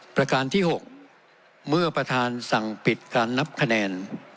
ประการที่๖เมื่อประธานสั่งปิดการนับคะแนน